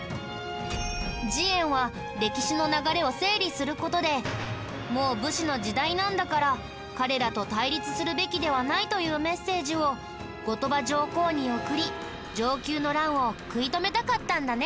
慈円は歴史の流れを整理する事でもう武士の時代なんだから彼らと対立するべきではないというメッセージを後鳥羽上皇に送り承久の乱を食い止めたかったんだね。